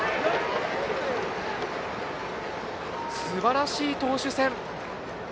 すばらしい投手戦。